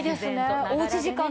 おうち時間で。